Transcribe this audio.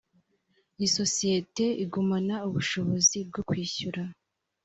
isosiyete igumana ubushobozi bwo kwishyura